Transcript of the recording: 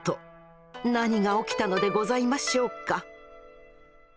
何が起きたのでございましょうか？